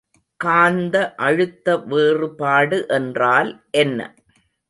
காந்த அழுத்த வேறுபாடு என்றால் என்ன?